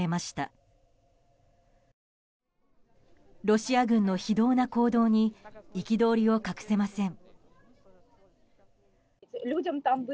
ロシア軍の非道な行動に憤りを隠せません。